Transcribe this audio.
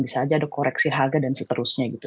biasanya ada koreksi harga dan seterusnya gitu